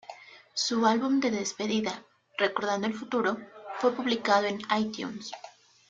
Su álbum de despedida, "Recordando el futuro", fue publicado en iTunes.